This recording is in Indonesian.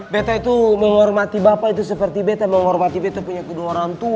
bete itu menghormati bapak itu seperti bete menghormati bete punya kedua orang tua